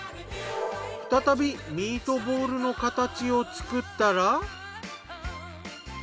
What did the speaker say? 再びミートボールの形を作ったら。